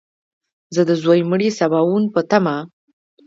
زه د ځوی مړي سباوون په تمه !